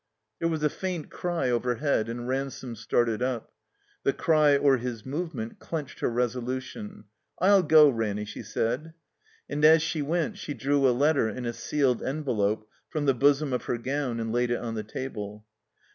There was a faint cry overhead and Ransome started up. The cry or his movement clenched her resolution. "/'« go. Ranny," she said. And as she went she drew a letter in a sealed envelope from the bosom of her gown and laid it on the table.